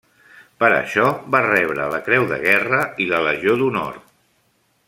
Per això va rebre la Creu de Guerra i la Legió d'Honor.